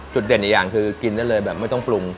จุดเด่นอีกอย่างคือกินได้เลยแบบไม่ต้องปรุง